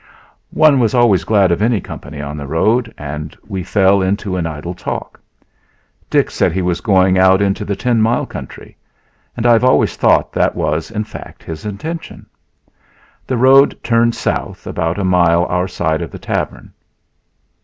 One was always glad of any company on the road, and we fell into an idle talk. Dix said he was going out into the Ten Mile country; and I have always thought that was, in fact, his intention. The road turned south about a mile our side of the tavern.